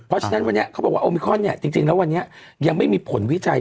เพราะฉะนั้นวันนี้เขาบอกว่าโอมิคอนเนี่ยจริงแล้ววันนี้ยังไม่มีผลวิจัย